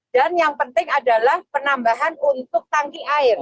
dan yang penting adalah penambahan untuk tangki air